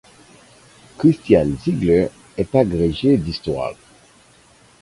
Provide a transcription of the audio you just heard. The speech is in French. Christiane Ziegler est agrégée d'histoire.